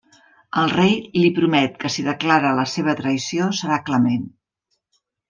El rei li promet que si declara la seva traïció, serà clement.